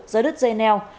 rớt đứt dây neo